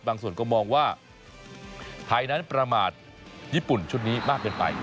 ส่วนก็มองว่าไทยนั้นประมาทญี่ปุ่นชุดนี้มากเกินไป